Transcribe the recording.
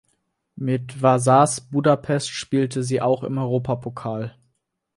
Mit Vasas Budapest spielte sie auch im Europapokal.